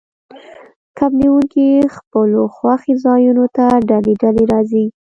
کب نیونکي خپلو خوښې ځایونو ته ډلې ډلې ځي